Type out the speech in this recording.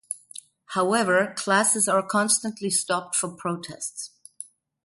However, classes are constantly stopped for protests.